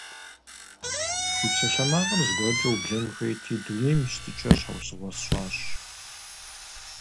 Ди псалъэмакъыр зыгуэркӀэ ублэн хуейти, дунейм и щытыкӏэр щхьэусыгъуэ сщӀащ.